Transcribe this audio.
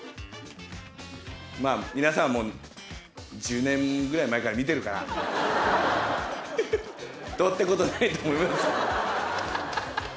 まあ、皆さん、もう１０年ぐらい前から見てるから、どうってことないと思います。